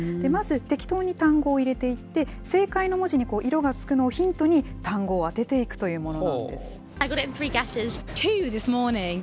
まず、適当に単語を入れていって、正解の文字に色がつくのをヒントに単語を当てていくというものな